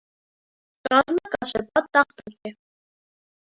Կազմը կաշեպատ տախտակ է։